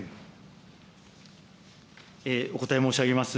お答え申し上げます。